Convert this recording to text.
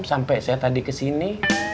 sampai saya tadi kesini